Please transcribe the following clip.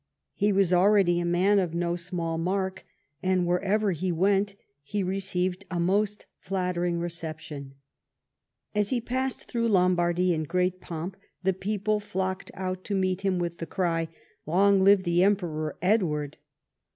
He was already a man of no small mark, and wherever he went he received a most flattering reception. As he passed through Lom1)ardy in great pomp the people flocked out to meet him with the cry, " Long live the Emperor Edward."